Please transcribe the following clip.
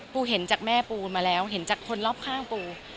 เห็นจากแม่ปูมาแล้วเห็นจากคนรอบข้างปู